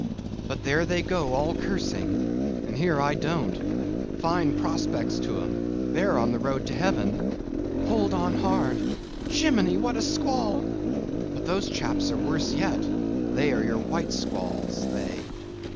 But there they go, all cursing, and here I don't. Fine prospects to 'em; they're on the road to heaven. Hold on hard! Jimmini, what a squall! But those chaps there are worse yet—they are your white squalls, they.